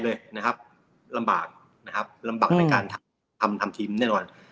เลยนะครับลำบากนะครับลำบากในการทำทำทีมแน่นอน